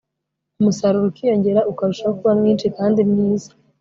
umusaruro ukiyongera, ukarushaho kuba mwinshi kandi mwiza